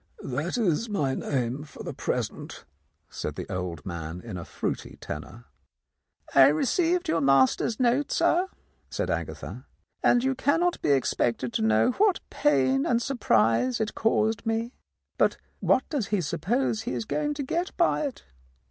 "That is my name for the present," said the old man in a fruity tenor. "I received your master's note, sir," said Agatha, "and you cannot be expected to know what pain and surprise it caused me. But what does he suppose he is going to get by it?